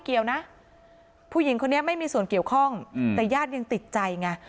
เกี่ยวนะผู้หญิงคนนี้ไม่มีส่วนเกี่ยวข้องแต่ญาติยังติดใจไง